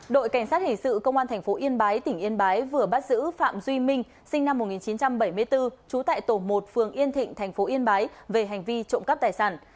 đội cảnh sát hình sự công an tp yên bái tỉnh yên bái vừa bắt giữ phạm duy minh sinh năm một nghìn chín trăm bảy mươi bốn trú tại tổ một phường yên thịnh thành phố yên bái về hành vi trộm cắp tài sản